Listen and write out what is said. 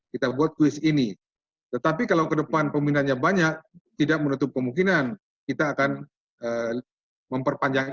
kita buat kuis ini tetapi kalau ke depan peminatnya banyak tidak menutup kemungkinan kita akan memperpanjang